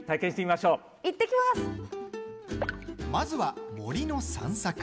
まずは、森の散策。